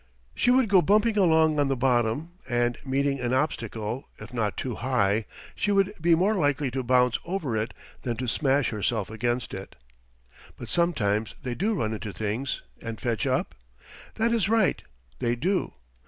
She would go bumping along on the bottom; and, meeting an obstacle, if not too high, she would be more likely to bounce over it than to smash herself against it. But sometimes they do run into things and fetch up? That is right, they do.